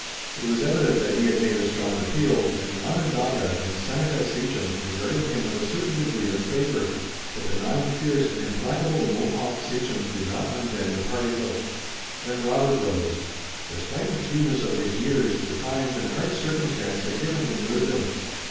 It was evident that he had made a strong appeal, and the Onondaga and Seneca sachems regarded him with a certain degree of favor, but the nine fierce and implacable Mohawk sachems did not unbend a particle. Then Robert rose. Despite the fewness of his years, the times and hard circumstance had given him wisdom.